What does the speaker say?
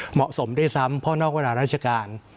เหมาะสมด้วยซ้ำเพราะนอกเวลาราชการ